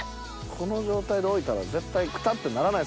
この状態で置いたら絶対くたってならないですもんね